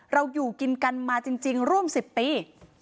อยู่กินกันมาจริงร่วม๑๐ปี